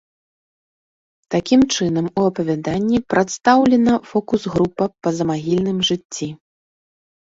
Такім чынам у апавяданні прадстаўлена фокус-група па замагільным жыцці.